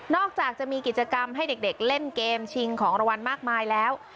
อกจากจะมีกิจกรรมให้เด็กเล่นเกมชิงของรางวัลมากมายแล้ว